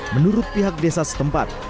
menurut pihak desa setempat